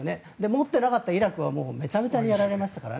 持っていなかったらイラクはめちゃめちゃにやられましたから。